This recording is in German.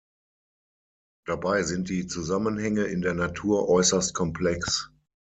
Dabei sind die Zusammenhänge in der Natur äußerst komplex.